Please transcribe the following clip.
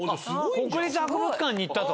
国立博物館に行ったと。